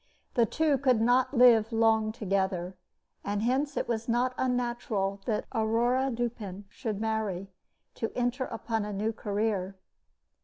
The two could not live long together, and hence it was not unnatural that Aurore Dupin should marry, to enter upon a new career.